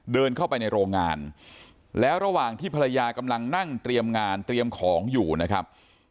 เดินเข้าไปในโรงงานแล้วระหว่างที่ภรรยากำลังนั่งเตรียมงานเตรียมของอยู่นะครับ